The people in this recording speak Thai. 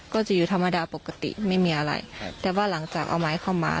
ก็จะอยู่ธรรมดาปกติไม่มีอะไรครับแต่ว่าหลังจากเอาไม้เข้ามา